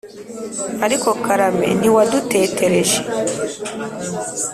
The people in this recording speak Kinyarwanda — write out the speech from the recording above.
ariko karame ntiwadutetereje